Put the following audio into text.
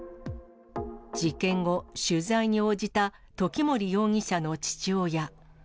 事件後、取材に応じた時森容疑者の父親。